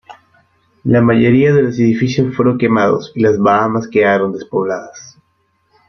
La mayoría de los edificios fueron quemados y las Bahamas quedaron despobladas.